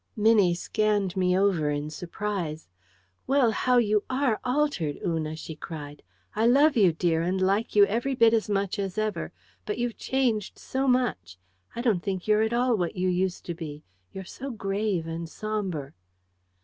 Minnie scanned me over in surprise. "Well, how you ARE altered, Una!" she cried. "I love you, dear, and like you every bit as much as ever. But you've changed so much. I don't think you're at all what you used to be. You're so grave and sombre."